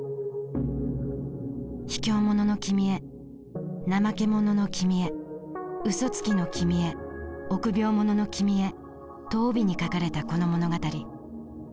「卑怯者の君へ怠け者の君へ嘘つきの君へ臆病者の君へ」と帯に書かれたこの物語。